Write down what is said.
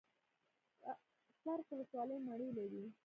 څرخ ولسوالۍ مڼې لري؟